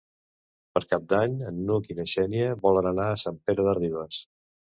Per Cap d'Any n'Hug i na Xènia volen anar a Sant Pere de Ribes.